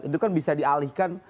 itu kan bisa dialihkan